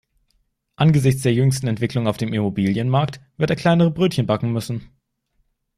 Angesichts der jüngsten Entwicklungen auf dem Immobilienmarkt wird er kleinere Brötchen backen müssen.